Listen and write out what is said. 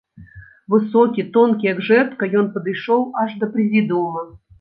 Высокі, тонкі, як жэрдка, ён падышоў аж да прэзідыума.